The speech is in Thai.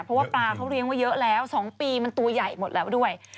เพราะว่าปลาเขาเลี้ยงไว้เยอะแล้ว๒ปีมันตัวใหญ่หมดแล้วด้วย